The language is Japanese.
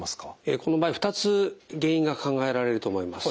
この場合２つ原因が考えられると思います。